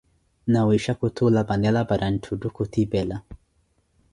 Nawiixha khuthula panela para ntthutthu khuthipela.